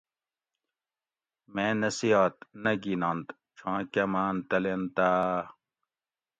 میں نصیحت نہ گِھیننت چھاں کہ ماۤن تلینتاۤ